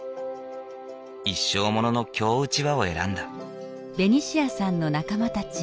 一生ものの京うちわを選んだ。